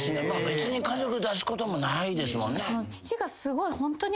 別に家族出すこともないですもんね。